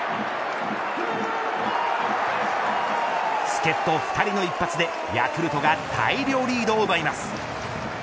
助っ人２人の一発でヤクルトが大量リードを奪います。